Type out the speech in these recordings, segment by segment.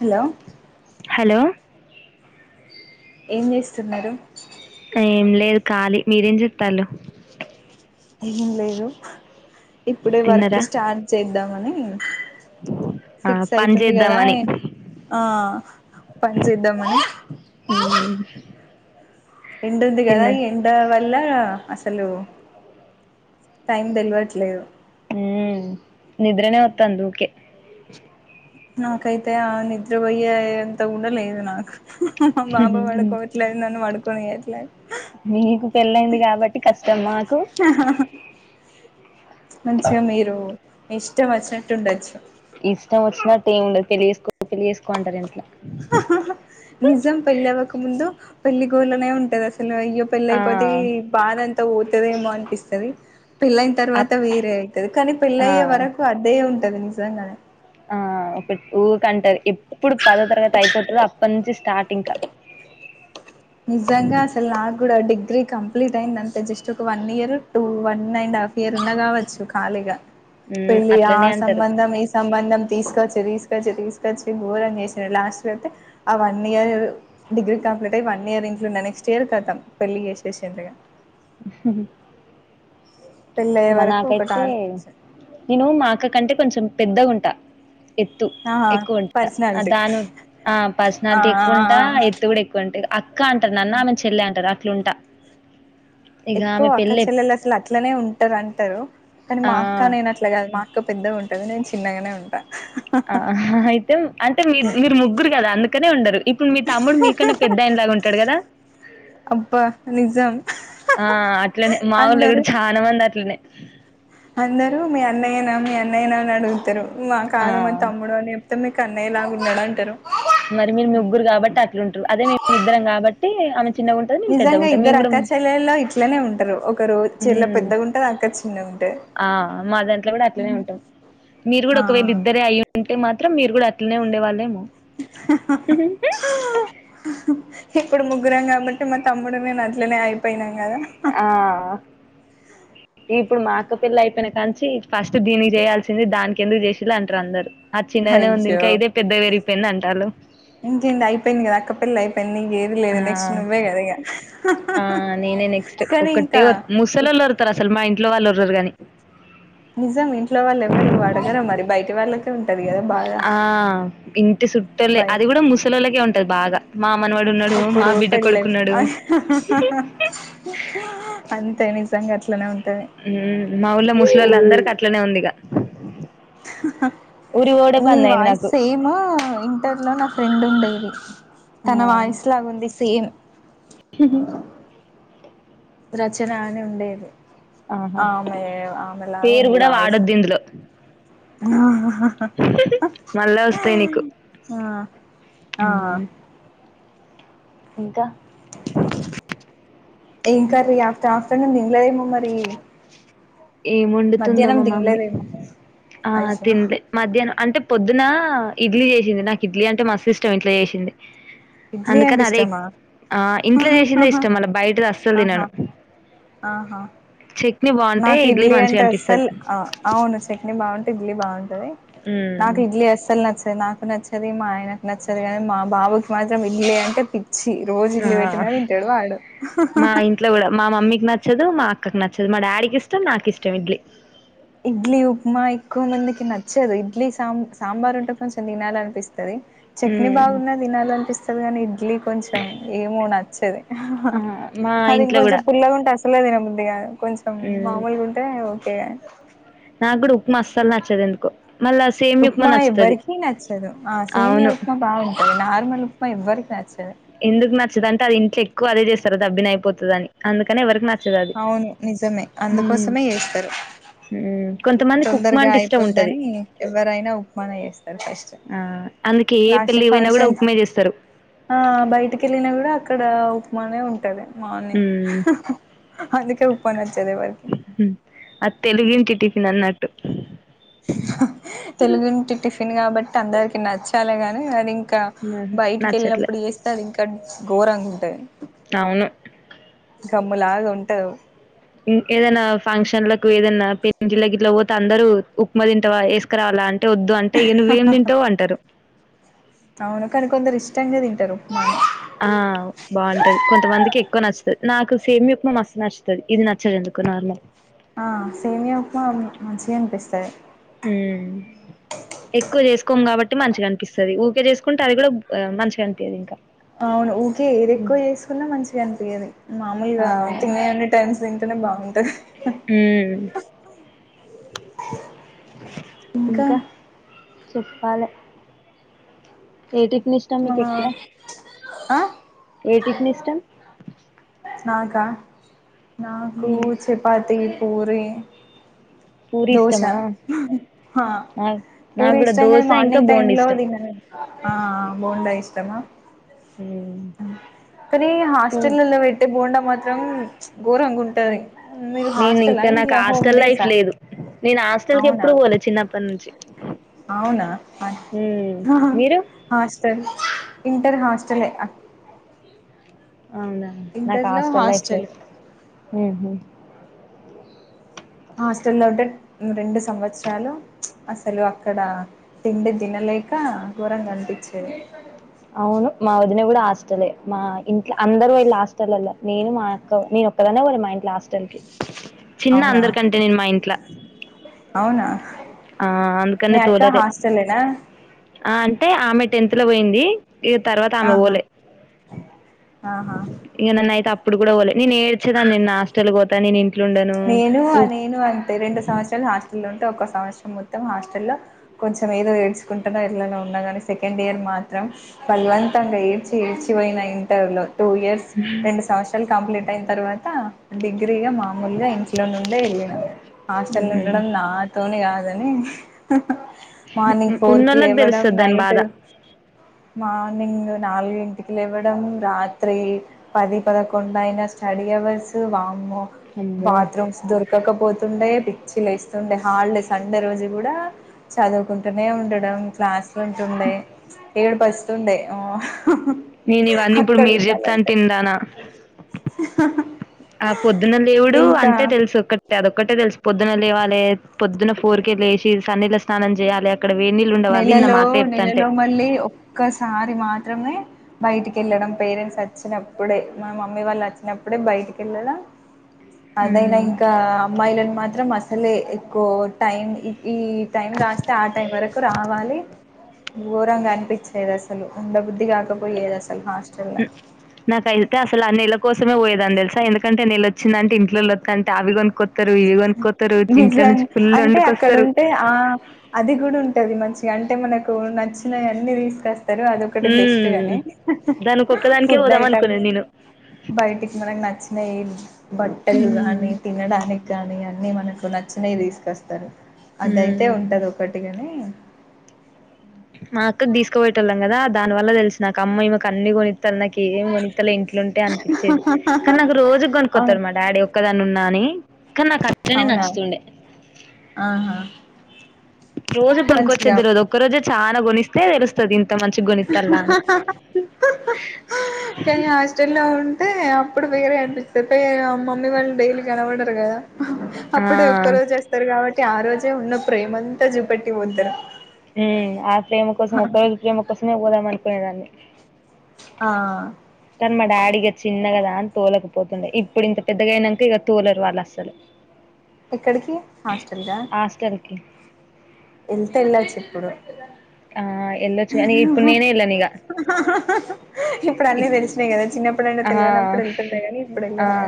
Hollow hello ఏం చేస్తున్నారు ఏం లేదు ఖాళీ మీరేం జేత్తల్లు ఏం లేదు ఇప్పుడే వర్క్ తిన్నరా స్టార్ట్ చేద్దామని ఆ సిక్స్ పని అయితుంది కదా చేద్దామని ఆ పని చేద్దామని హ్మ్మ్ ఎండుంది కదా ఎం దాని వల్ల అసలు టైం తెలవట్లేదు ఊ నిద్రనే వత్తంది ఊకే నాకైతే ఆ నిద్రపోయే ఎంత కూడా లేదు నాకు మా బాబు పడుకొబె ఇట్లా అయిందని పడుకొనియట్లే మీకు పెళ్లయింది కాబట్టి కష్టం మాకు మంచిగా మీరు ఇష్టం వచ్చినట్టు ఉండొచ్చు ఇష్టం వచ్చినట్టు ఏం ఉండదు పెళ్లి చేసుకో పెళ్లి చేసుకో అంటారు ఇంట్లో నిజం పెళ్లి అవ్వక ముందు పెళ్లి గోళనే ఉంటది అసలు అయ్యో పెళ్లి ఆ అయిపోతేఈ బాధ అంతా పోతదేమో అనిపిస్తుంది పెళ్లయిన తర్వాత అప్ వేరే అయితది కానీ ఆ పెళ్ళయ్యే వరకు అదే ఉంటది నిజంగానే ఆ ఒక ఊకె అంటది ఎప్పుడు పదో తరగతి అయిపోతాదో అప్పటి నుంచి స్టార్ట్ ఇంకా నిజంగా అసలు నాకు కూడా డిగ్రీ కంప్లీట్ అయింది అంతే జస్ట్ ఒక one year two one and half year ఉన్న కావచ్చు ఖాళీగా మ్మ్ పెళ్ళి ఆ అట్లనే అంటారు సంబంధం ఇస్ సంబంధం తీసుకొచ్చి తీసుకొచ్చి తీసుకొచ్చి ఘోరం చేసార్ లాస్ట్ అయితే ఆ వన్ ఇయర్ డిగ్రీ కంప్లీట్ అయ్యి వన్ ఇయర్ ఇంట్లోనే నెక్స్ట్ ఇయర్ కతం పెళ్లి చేసేసిండ్రిగా ఉహూహూ పెళ్ళయ్యే ఇంగ వరకు ఒకటి నాకైతే ఆలోచన నేను మాఅక్క కంటే కొంచెం పెద్దగుంట ఎత్తు ఆహా ఎక్కువుంట పర్సనాలిటీ దాను ఆ ఆ పర్సనాలిటీ ఎక్కువుంట ఆ ఆ ఎత్తు కూడా ఎక్కువ అంటే అక్క అంటారు నన్ను ఆమెను చెల్లి అంటారు అట్లుంటా ఇగ ఎక్కువ ఆమె పెళ్ళెప్ అక్కచెల్లెలు అసలు అట్లనే ఉంటరు అంటారు కానీ ఆ! మా అక్క నేను అట్ ఇట్లా కాదు మా అక్క పెద్దగా ఉంటది నేను చిన్నగానే ఉంటా ఆ అయితే అంటే మీ మీరు ముగ్గురు కదా అందుకనే ఉండరు ఇప్పుడు మీ తమ్ముడు మీ కన్నా పెద్దాయన లాగా ఉంటాడు కదా అబ్బా నిజం ఆ అట్లనే మా ఊళ్ళో కూడా చాలా మంది అట్లనే అందరు మీ అన్నయ్యనా మీ అన్నయ్యనా అని అడుగుతారు మా ఆ! కాదు మా తమ్ముడు అని చెప్ మొత్తం మీకు అన్నయ్యలా ఉన్నాడు అంటారు మరి మీరు మీ ముగ్గురు కాబట్టి అట్లు ఉంటారు అదే మేమ్ ఇద్దరం కాబట్టి ఆమె చిన్నగుంటది. నేను నిజంగా పెద్దగుంటా. ఇద్దరు మేము గూడా అక్క చెల్లెల్లో ఇట్లనే ఉంటారు ఒకరు చెల్ల హ్మ్. పెద్దగా ఉంటది అక్క చిన్నగుంటది ఆ మా దాంట్లో కూడా అట్లనే ఉంటాం మీరు కూడా ఒకవేళ ఆ ఇద్దరే అయ్య ఉంటే మాత్రం మీరు కూడా అట్లనే ఉండే వాళ్ళేమో ఇప్పుడు ముగ్గురం కాబట్టి మా తమ్ముడు నేను అట్లనే అయిపోయినాం కదా ఆ అ ఇప్పుడు మా అక్కపెళ్లి అయిపోయిన కానించి ఫస్ట్ దీనికి చేయాల్సింది దానికి ఎందుకు చేసిల్లు అంటారు అందరు అది చిన్నగనే ఉంది అయ్యో ఇంకా ఇదే పెద్దగా పెరిగిపోయింది అంటాళ్ళు ఇంకేంది అయిపోయింది కదా అక్క పెళ్లి అయిపోయింది ఇంకేంది ఆ ఆ నేనే నెక్స్ట్ కానీ ఒకటే ఇంకా ముసలొల్లు వర్ తరు అసలు మా ఇంట్లో వాళ్ళు ఓర్లరూ కానీ నిజం ఇంట్లో వాళ్ళు ఎవరు అడగర మరి బయటి వాళ్ళకు తో ఉంటది కదా బాగా ఆ ఇంటి చుట్టులే అది కూడా ముసలోల్లకే ఉంటది బాధ మా మనవడు ఉన్నాడు మా ఎప్పుడు బిడ్డ పెళ్ళి కొడుకున్నాడు అంతే నిజంగా అట్లనే ఉన్ మ్మ్ మా ఊళ్ళో ముసలోళ్ళ అందరికి అట్లనే ఉంది ఇగ ఊరి పోవుడే నీ బంద్ అయింది వాయిస్ నాకు సేమ్ ఇంటర్ లో నా ఫ్రెండ్ ఉండేది తన ఆ వాయిస్ లాగుంది సేమ్ హ రచన అని ఉండేది ఆహా ఆమె ఆమెలాగా పేరు ఉంది కూడా వాయిసు వాడొద్దు ఇందులో మళ్ళా వస్తాయి నీకు ఆ ఆ ఆ ఇంకా ఇంకా రీ ఆఫ్టర్ ఆఫ్టర్నూన్ తినలేదేమో మరి ఏం వండుతుందో మధ్యాహ్నం మా మమ్మీ తినలేదేమో ఆ అయ్యో తిన్లె మధ్యాహ్నం అంటే పొద్దున ఇడ్లీ చేసింది నాకు ఇడ్లీ అంటే మస్తు ఇష్టం ఇంట్లో చేసింది ఇడ్లీ అంటే అందుకని అదే ఇష్టమా ఆ ఇంట్లో చేసిందే ఆహాహా ఇష్టం మళ్ల బయటది అస్సలు ఆహా తినను ఆహా చట్నీ బాగుంటే నాకు ఇడ్లీ మంచిగా అంటే అనిపిస్తది అస్సలు ఆ అవును చట్నీ బాగుంటే ఇడ్లీ బాగుంటది నాకు ఇడ్లీ అసలు నచ్చది నాకు నచ్ తది మా ఆయనకు నచ్చదు కానీ మా బాబుకి మాత్రం ఇడ్లీ అంటే చ్చి రోజు ఆ ఇడ్లీ పెట్టిన తింటాడు వాడు ఇట్లా కూడా మా మమ్మీకి నచ్చదు మా అక్కకి నచ్చదు మా డాడీకి ఇష్టం నాకు ఇష్టం ఇడ్లీ ఇడ్లీ ఉప్మా ఎక్కువ మందికి నచ్చదు ఇడ్లీ సాంబ సాంబార్ ఉంటే కొంచెం తినాలనిపిస్తది చట్నీ ఉ బాగున్న తినాలనిపిస్తది కానీ ఇడ్లీ కొంచెం ఏమో నచ్చది ఆ మా అది ఇంట్లో కూడా ఇంకొంచెం పుల్లగా ఉంటే అసలె తినబుద్ది కాదు కొంచెం మామూలుగుంటే ఓకేగా నాకు కూడా ఉప్మా అసలు నచ్చదు ఎందుకో మళ్ళ ఉప్మా ఎవ్వరికీ నచ్చదు ఆ సేమియ అవును ఉప్మా బాగుంటుంది నార్మల్ ఉప్మా ఎవ్వరికి నచ్చదు, ఎందుకు నచ్చదు అంటే అది ఇంట్లా ఎక్కువదే చేస్తారు దబ్బిని అయిపోతుంది అందుకని ఎవరికి నచ్చదు అది అవును నిజమే అందుకోసమే చేస్తారు, ఉ కొంతమంది తొందరగా అయిపోద్దని ఎవరైనా ఉప్మానే చేస్తారు ఫస్ట్ ఆ అందుకే ఏ లాస్ట్ పెళ్లికి పొయ్యిన కూడా ఫంక్షన్స్ ఉప్మానే చేస్తారు, ఆ బయటికి వెళ్ళిన కూడా అక్కడ ఉప్మానే ఉంటది, మార్నింగ్ ఉమ్ అందుకే ఉప్మా నచ్చదు ఎవరికి అది తెలుగు ఇంటి టిఫిన్ అన్నట్టు తెలుగింటి టిఫిన్ కాబట్టి అందరికి నచ్చాలి గానీ అది ఇం ఇంకా నా బయటికి నచ్చట్లే వెళ్ళినప్పుడు చేస్తాతే అది ఇంకా ఘోరంగా ఉంటాది, అవును గమ్ములాగా ఉంటవు ఏదైనా ఫంక్షన్లకు ఏదైనా పెళ్ళి గి ఇట్లా పోతే అందరూ ఉప్మా తింటవా వేసుకురావాల అంటే వద్దు అంటే ఇంకా నువ్వు ఏం తింటావు అంటారు, అవును కాని కొందరు ఇష్టంగా తింటారు మ ఆ బాగుంటది కొంతమందికి ఎక్కువ నచ్చుతుంది, నాకు సేమ్యా ఉప్మా మస్తు నచ్చుతుంది, ఇది నచ్చదు ఎందుకు నార్మల్ ఆ సేమ్యా ఉప్మా మంచిగా అనిపిస్తాది, ఉ ఎక్కువ చేసుకోము కాబట్టి మంచిగా అనిపిస్తది ఊకే చేసుకుంటే అది కూడా మంచిగా అనిపియదు ఇంకా అవును ఊకే ఏది ఎక్కువ చేసుకున్నా మంచిగా అనిపియది ఆ! మామూలుగా తినే టెంస్ తింటేనే బాగుంటది ఉ ఇంకా చెప్పాలే ఏ టిఫినీస్ మా ఆ ఏ టిఫిన్ ఇష్టం? నాకా నాకు హ్మ్. చపాతి పూరి పూరి దోశ ఇష్టమా? ఆ నా నాకు పూరీ గూడా ఇష్టం కానీ దోస ఇంకా మార్నింగ్ టైమ్ బోండా లో ఇష్టం. తినను ఆ బొండా ఇష్టమా ఉ కానీ హాస్టల్ల్లో పెట్టే బోండా మాత్రం ఘోరంగుంటది, మీరు నేను హాస్టలా? ఇంకా నాకు ఇంట్ల హోమ్ హాస్టల్ లైఫ్ డేసా? లేదు నేను హాస్టల్ కి అవునా? ఎప్పుడు పోలే చిన్నప్పటి నుంచి అవునా అన్ మీరు హాస్టల్ ఇంటర్ హాస్టలే అవునా నాకు హాస్టల్ లైఫ్ లేదు ఉహు హాస్టల్లో ఉంటే రెండు సంవత్సరాలు అసలు అక్కడ తిండి తినలేక ఘోరంగా అనిపించేది అవును మా వదిన కూడా హాస్టలే మా ఇంట్ల అందరు వాళ్ళ హాస్టల్ల్ల నేను మా అక్క నేను నేను ఒక్కదాన్నే పోలే మా ఇంట్లో హస్టల్కి [unintelligible] చిన్న అందరికంటే నేను మా ఇంట్ల అవునా ఆ మీ అందుకనే అక్క తోలలే హాస్టలేనా ఆ అంటే ఆమె టెన్త్ లో పోయింది, ఇగా తర్వాత ఆమె ఆహా పోలే ఆహా ఇగా నన్ను అయితే అప్పుడు కూడా పోలేదు నేను నేడ్చేదాన్ని నేన్న హస్టల్కి పోతా నేను ఇంట్ల ఉండను నేను నేను అంతే రెండు సంవత్స హాస్టల్లో ఉంట ఒక సంవత్సరం మొత్తం హాస్టల్లో కొంచెం ఏదో ఏడ్చుకుంటనో ఎట్లనో ఉన్నా కానీ సెకండ్ ఇయర్ మాత్రం బల్వంతంగా ఏడ్చి ఏడ్చిపోయిన ఇంటర్ లో టూ ఇయర్స్ రెండు సంవత్సరాలు కంప్లీట్ అయిన తర్వాత డిగ్రీగా మా ముందే ఇంట్లో నుండే వెళ్ళిన హాస్టల్ మ్మ్ ఉండడం నా తోనే కాదని హ హ మార్నింగ్ ఫోర్ కి ఉన్నోళ్ళకి లేవడం తెలుస్తది దాని నైట్ బాధ హమ్ మార్నింగ్ నాల్గింటికి లేవ్వడం రాత్రి పది పదకొండు అయినా స్ స్టడీ అవర్స్ వామ్మో అమ్మో బాత్ రూమ్స్ దొర్ కక పోతుండే పిచ్చిలేస్తుండే హాల్డే సండే రోజు కూడా చదువుకుంటూనే ఉండడం క్లాస్ కుమ్టుండే ఏడుపొస్తుండే ఆ హ హా నేను ఇవన్నీ ఇప్పుడు మీరు చెప్తాంటే ఇంటాన్నా ఆ పొద్దున్న లేవుడు ఇంకా అంతే తెలుసు ఒక్ అదొక్కటే తెలుసు పొద్దున లేవాలే పొద్దున ఫోర్కే లేచి సన్నిళ్ళ స్నానం చేయాలే క్కడ వేడ్ నీళ్ నెలలో నెలలో మళ్ళీ ఒక్కసారి మాత్రమే బయటికెళ్ళడం పేరెంట్స్ అచ్చినప్పుడే మా మమ్మీ వాళ్ళు అచ్చినప్పుడే బయటికెళ్ళడం అదైనా ఇంకా అమ్మాయిలను మాత్రం అసలే ఎక్కువ టైం ఈ టైమ్ రాస్తే ఆ టైం వరకు రావాలి ఘోరంగా అనిపిచ్చేదసలు ఉండబుద్ధి కాకపోయేది అసలు హాస్ [inaudible] నాకైతే అసలు ఆ నెల కోసేమే పోయే దాన్ని తెలుసా ఎందుకంటే నెలొచ్చిందంటే ఇంట్లోళ్ళోత్తాంటే ఆవి కొనుక్కొత్ త్తారు ఇవి కొనుక్కొత్తరు ఇంట్లో నిజం నుంచి ఫుల్ అంటే అక్కడ వండుకొస్తారు ఉంటే ఆ అది కూడా ఉంటది మంచిగా అంటే మనకు నచ్చినయన్ని తీసుకస్ తరు అదొకటి బెస్ట్ మ్మ్ గాని దానికి హ ఒక్కదానికే ఫుడ్ పోదాం ఐటమ్ అనుకునేది నేను బయటికి మనకు నచ్చినయి బట్టలు కానీ తినడానిక్ గాని అన్ని మనకు నచ్చినయి తీసుకొస్తారు అదయితే మ్మ్ ఉంటది ఒకటి గని మా అక్క తీసుకుపోయేటోళ్లం కదా దానివల్ల తెలుసు నాకు అమ్మ ఈమెకు అన్ని కొనిత్తది నాకి ఏం కొనిత్తలే ఇంట్లో ఉంటే అనిపిచ్చేది కానీ నాకు రోజు అవును కొనుక్కోత్తాడు మా డాడీ కదన్నున్నాని కన్నాక తనే అవునా నచ్చుతుండే ఆహా రోజు మంచిగా కొనుకొచ్చేది ఈరో ఒక్క రోజే చాలా కొనిస్తే ఏడుస్ ఇంత మంచిగోనిత్తల్లా అని టల్లో ఉంటే అప్పుడు ఫికర్గనిపిస్తది ప మమ్మీ వాళ్ళు డైలీ కనవడరు కదా ఆ అప్పుడే ఒక్క రోజు వస్తారు కాబట్టి ఆ రోజే ఉన్న ప్రేమంతా చూపెట్టి పోతారు మ్ ఆ ప్రేమ కోసం ఒక్క రోజు ప్రేమ కోసమే పోదాం అనుకునేదాన్ని ఆ కానీ మా డాడీ ఇక చిన్న కదా అని తోలకపోతుండే ఇప్పుడు ఇంత పెద్దగా అయినాంక ఇక తోలరు వాళ్ళసలు ఎక్కడికి హాస్టల్గా హాస్టల్ కి ఎల్తే ఎల్లోచ్చిప్పుడు ఆ వెళ్ళొచ్చు హమ్ కానీ హ ఇప్పుడు హ హ నేనే వెళ్ళను ఇగ హ ఇప్పుడు అన్ని తెలిసినాయి కదా చిన్నప్పుడైనా ఆ! తెలియనప్పుడు వెళ్తుంటాయి కానీ ఇప్పుడు ఆ! వెళ్లారు కదా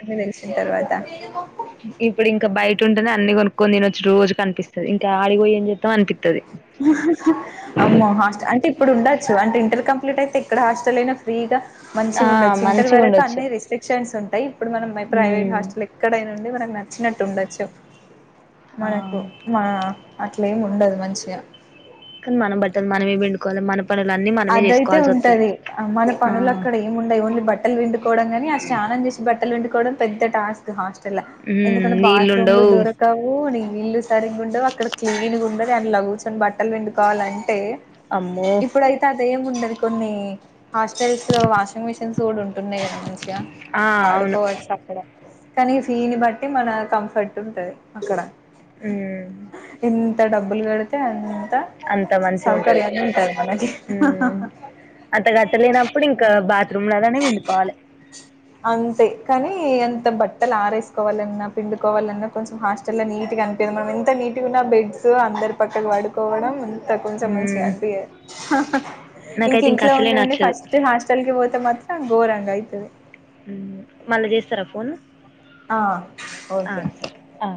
అన్ని తెలిస్ తర్వాత ఇప్పుడు ఇంకా బయట ఉంటేనే అన్ని కొనుక్కొని తినొచ్చు రోజు కనిపిస్తుంది ఇంకా ఆడికి పోయి ఏం చేస్తాం అనిపిత్తది అమ్మో హాస్టల్ అంటే ఇప్పుడు ఉండొచ్చు అంటే ఇంటర్ కంప్లీట్ అయితే ఇక్కడ హాస్టలైన ఫ్రీగా ఆ మంచిగున్డచ్చు ఇంటర్ వరకు మంచిగుండొచ్చు. అన్ని రెస్ట్రిక్షన్స్ ఉంటాయి ఇప్పుడు మన ప్రైవేట్ హ్మ్. హాస్టలైక్ ఇక్కడైనుండి మనకు నచ్చినట్టు ఉండొచ్చు ఆ! మనకు మా అట్లెముండదు మంచిగా మన బట్టలు మనమే పిమ్డుకోవాలి మనమ్ కొనీలన్ని మా అదయితే ఉంటది మన పనులక్కడి ఏముండై ఓన్లీ బట్టలు విండుకోవడం ని ఆ స్నానం చేసి బట్టలు విండుకోవడం పెద్ద టాస్క్ హాస్ చులే హ్మ్. ఎందుకంటే బాత్రూమ్లో నీళ్ళుండవు. దుర క్కవు నీ నీళ్లు సరిగ ఉండవు అక్కడ క్లీన్ండ దాని ల కూర్చొని బట్టలు పిండుకోవాలింటే అమ్మో! ఇప్పుడైతే అదేముండదు కొన్ని హాస్టల్స్ లో వాషింగ్ మిషిన్స్ కూడా ఉంటా తున్నయి కదా మంచిగా ఆ! అవును. పాడుకోవచ్చు అక్కడ కానీ ఫీని బట్టి మన కంఫర్ట్ ఉంటది అక్కడ హ్మ్. ఎంత డబ్బులు కడితే అంత సౌకర్యన్ని ఉంటది మనకి ఉమ్ అంత గతి లేనప్పుడు ఇంకా బాత్రూమ్ లల్లనే విండిపకోవాలె అంతే కనీ ఎంత బట్టలు ఆరేసుకోవాలన్నా పిండుకోవాలన్నా కొంచెం హాస్ చాలా నీట్గా అనిపిడు మనం ఎంత నీట్గా ఉన్నా బెడ్స్ అందరు పక్కల పడు కోవడం అంత కొంచెం మంచి హ్మ్. అనిపియద్ నాకైతే ఇంక ఇంకింట్లో అస్సలే ఉండి ఉండి నచ్చదు. ఫస్ట్ హాస్టల్కి పోతే మాత్రం ఘోరంగయితడి ఉమ్ మళ్ళ చేస్తరా ఫోన్లు ఆ ఓకే ఆ